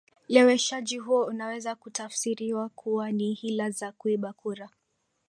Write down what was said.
leweshaji huo unaweza kutafsiriwa kuwa ni hila za kuiba kura